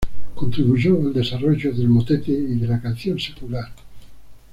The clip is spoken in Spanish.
Contribuyó al desarrollo del motete y de la canción secular.